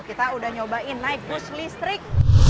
kita udah nyobain naik bus listrik